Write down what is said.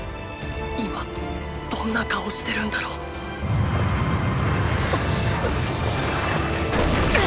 今どんな顔してるんだろうっ！！